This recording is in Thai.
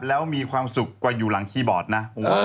แล้วมีความสุขกว่าอยู่หลังคีย์บอร์ดนะ